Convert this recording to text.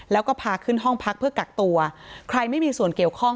แล้วก็พาขึ้นห้องพักเพื่อกักตัวใครไม่มีส่วนเกี่ยวข้อง